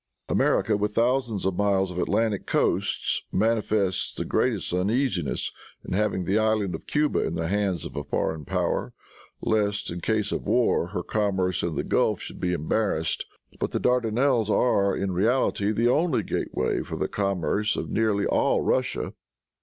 America, with thousands of miles of Atlantic coast, manifests the greatest uneasiness in having the island of Cuba in the hands of a foreign power, lest, in case of war, her commerce in the Gulf should be embarrassed. But the Dardanelles are, in reality, the only gateway for the commerce of nearly all Russia.